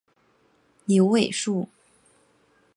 牛尾树